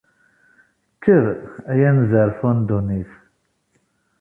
Kker, ay anezzarfu n ddunit.